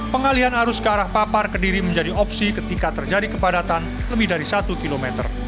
pengalian arus ke arah papar ke diri menjadi opsi ketika terjadi kepadatan lebih dari satu km